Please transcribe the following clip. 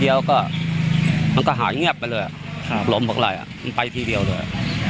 พล้วมว่าอะไรมันไปที่เดียวเลยอ๋อมาลูกเดียวทีเดียวเลย